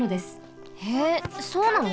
へえそうなの？